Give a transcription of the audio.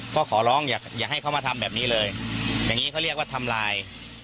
ก็ขอร้องอย่าให้เขามาทำแบบนี้เลยอย่างนี้เขาเรียกว่าทำลาย